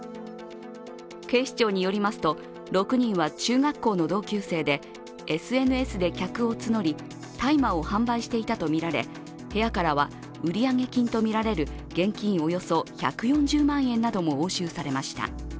警視庁によりますと、６人は中学校の同級生でＳＮＳで客を募り大麻を販売していたとみられ部屋からは売上金とみられる現金およそ１４０万円なども押収されました。